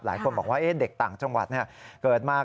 หลายคนบอกว่าเด็กต่างจังหวัดเกิดมา